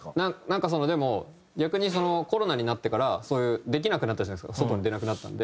なんかでも逆にコロナになってからそういうできなくなったじゃないですか外に出なくなったんで。